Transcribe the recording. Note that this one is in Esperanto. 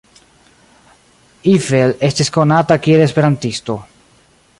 Eiffel estis konata kiel esperantisto.